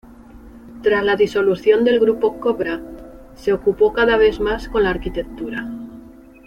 Tras la disolución del grupo CoBrA, se ocupó cada vez más con la arquitectura.